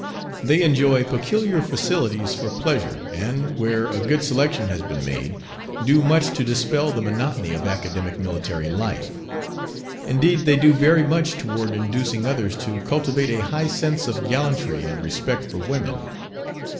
They enjoy peculiar facilities for pleasure, and, where a good selection has been made, do much to dispel the monotony of academic military life. Indeed, they do very much toward inducing others to cultivate a high sense of gallantry and respect for women.